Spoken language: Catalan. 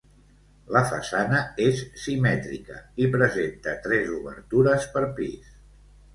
La façana és simètrica i presenta tres obertures per pis.